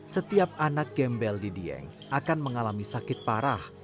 setiap anak gembel di dieng akan mengalami sakit parah